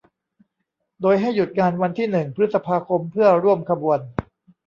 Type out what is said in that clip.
โดยให้หยุดงานวันที่หนึ่ง พฤษภาคม เพื่อร่วมขบวน